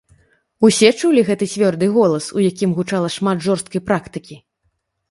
Усе чулі гэты цвёрды голас, у якім гучала шмат жорсткай практыкі.